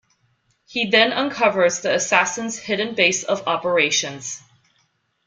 He then uncovers the assassin's hidden base of operations.